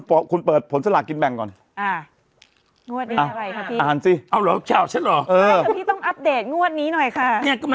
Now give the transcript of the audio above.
ก็คือ๕๕ดูสิเดี๋ยวเขาดูก่อนนะอะไรอย่างนั้น